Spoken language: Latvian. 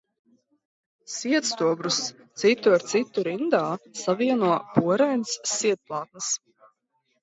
Sietstobrus citu ar citu rindā savieno porainas sietplātnes.